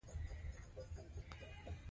ټول ښار به په بيرغونو پوښل شوی وي.